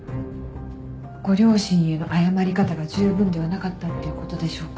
ご両親への謝り方が十分ではなかったっていうことでしょうか？